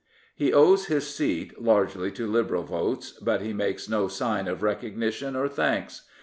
He owes his seat largely to Liberal votes; but he makes no sign of recognition or thanks.